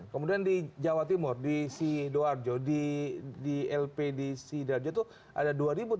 kemudian di jawa timur di sidoarjo di lp di sidoarjo itu ada dua tiga ratus